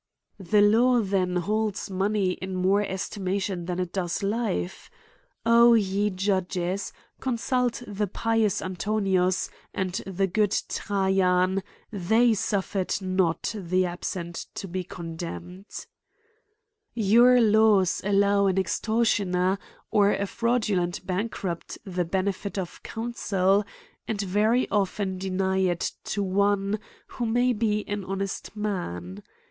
The law then holds money in more estimation that it does hfe ? O ye Judges ! consult the pious Antoninus, and the good Trajan — they suffered not the absent to be condemned, f Your laws allow an extortioner, or a fraudulent bankrupt the benefit of counsel, and very often de ny it to one who may be an honest man.